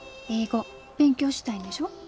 英語勉強したいんでしょ？